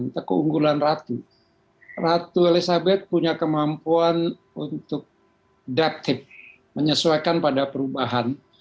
untuk keunggulan ratu ratu elizabeth punya kemampuan untuk dapet menyesuaikan pada perubahan